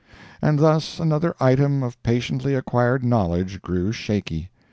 And thus another item of patiently acquired knowledge grew shaky.